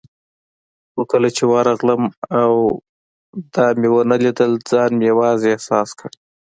خو کله چې ورغلم او دا مې ونه لیدل، ځان مې یوازې احساس کړ.